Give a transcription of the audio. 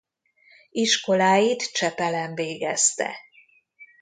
Iskoláit Csepelen végezte.